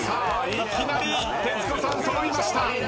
いきなり徹子さん揃いました。